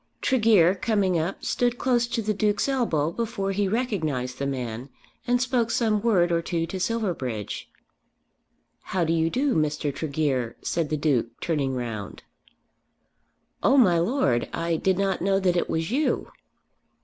Tregear coming up stood close to the Duke's elbow before he recognised the man, and spoke some word or two to Silverbridge. "How do you do, Mr. Tregear," said the Duke, turning round. "Oh, my Lord, I did not know that it was you."